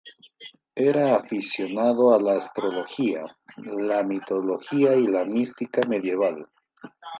Era aficionado a la astrología, la mitología y la mística medieval.